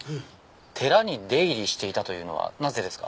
寺に出入りしていたというのはなぜですか？